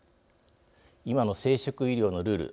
今の生殖医療のルール